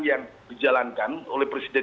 yang dijalankan oleh presiden